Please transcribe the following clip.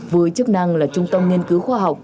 với chức năng là trung tâm nghiên cứu khoa học